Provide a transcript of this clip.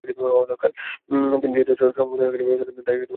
তিনি যেহেতু সংরক্ষিত বনাঞ্চলের ভেতরে প্রবেশ করেননি, তাই আলামত দেখার প্রশ্ন নেই।